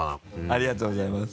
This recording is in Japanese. ありがとうございます。